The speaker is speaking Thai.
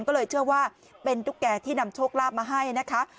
ก็เลยเชื่อว่าเป็นตุ๊กแก่ที่นำโชคลาภมาให้นะคะ